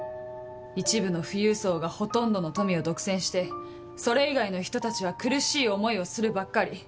一部の富裕層がほとんどの富を独占してそれ以外の人たちは苦しい思いをするばっかり。